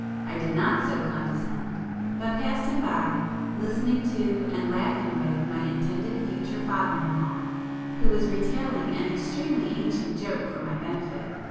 I did not so condescend,—but passed him by, listening to, and laughing with my intended future father in law, who was retailing an extremely ancient joke for my benefit.